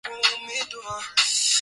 Jana nilienda kumazowezi ya wa vijana